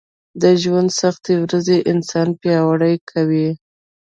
د ژونــد سختې ورځې انـسان پـیاوړی کوي